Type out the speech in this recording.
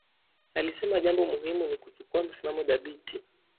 Alisema jambo muhimu ni kuchukua msimamo thabiti